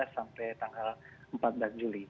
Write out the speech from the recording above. sampai tanggal empat belas juli